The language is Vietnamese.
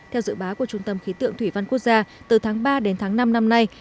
theo dự báo của trung tâm khí tượng thủy văn quốc gia từ tháng ba đến tháng năm năm nay